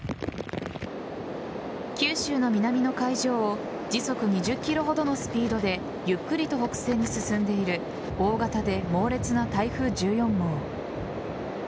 九州の南の海上を時速２０キロほどのスピードでゆっくりと北西に進んでいる大型で猛烈な台風１４号。